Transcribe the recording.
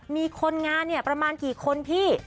มีคนงานประมาณกี่คนพี่